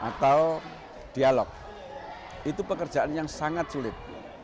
atau dialog itu pekerjaan yang sangat sulit